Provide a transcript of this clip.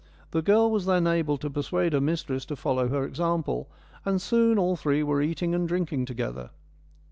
The girl was then able to persuade her mistress to follow her example, and soon all three were eating and drinking together.